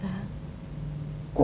tapi ibu gak tahu